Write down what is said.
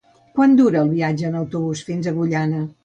Quant dura el viatge en autobús fins a Agullana?